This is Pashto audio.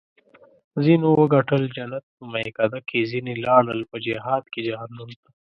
ځینو وګټل جنت په میکده کې ځیني لاړل په جهاد کې جهنم ته